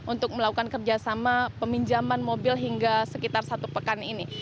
untuk melakukan kerjasama peminjaman mobil hingga sekitar satu pekan ini